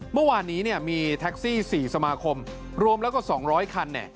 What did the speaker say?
เมื่อวานนี้มีแท็กซี่๔สมาคมรวมแล้วก็๒๐๐คัน